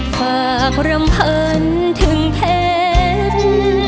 ฝากรำเพิ่นถึงเพชร